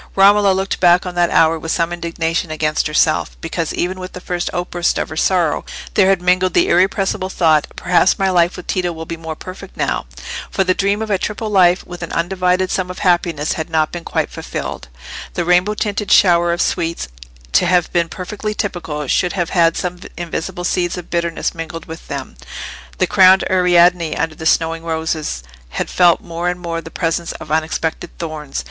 Romola looked back on that hour with some indignation against herself, because even with the first outburst of her sorrow there had mingled the irrepressible thought, "Perhaps my life with Tito will be more perfect now." For the dream of a triple life with an undivided sum of happiness had not been quite fulfilled. The rainbow tinted shower of sweets, to have been perfectly typical, should have had some invisible seeds of bitterness mingled with them; the crowned Ariadne, under the snowing roses, had felt more and more the presence of unexpected thorns.